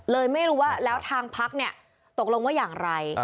ไม่รู้ว่าแล้วทางพักเนี่ยตกลงว่าอย่างไร